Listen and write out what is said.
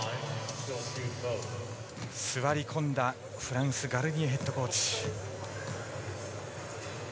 座り込んだフランスガルニエヘッドコーチ。